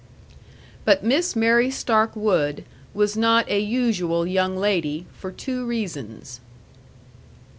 But Miss Mary Stark Wood was not a usual young lady for two reasons.